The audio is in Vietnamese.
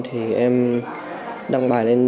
thì em đăng bài lên